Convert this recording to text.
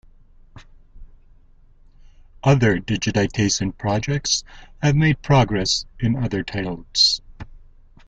Other digitization projects have made progress in other titles.